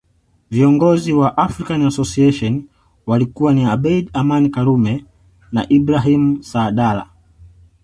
Viongozi wa African Association walikuwa ni Abeid Amani Karume na Ibrahim Saadala